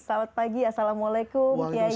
selamat pagi assalamualaikum kiai